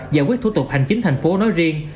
giải quyết thủ tục hành chính thành phố nói riêng